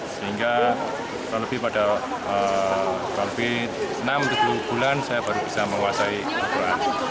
sehingga lebih lebih pada enam tujuh bulan saya baru bisa mewasai al quran